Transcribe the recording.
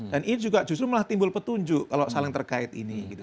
dan ini juga justru malah timbul petunjuk kalau saling terkait ini